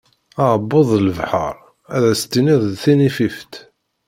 Aɛebbuḍ d lebḥar, ad as-tiniḍ d tinifift.